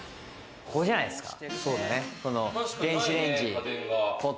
ここじゃないですか？